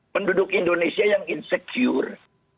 penduduk indonesia yang insecure